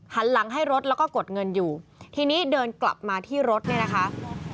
หันหลังให้รถแล้วก็กดเงินอยู่ทีนี้เดินกลับมาที่รถเนี่ยนะคะ